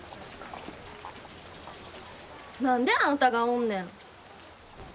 何であんたがおんねん！？